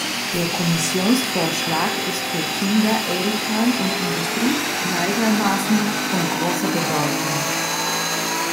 Der Kommissionsvorschlag ist für Kinder, Eltern und Industrie gleichermaßen von großer Bedeutung.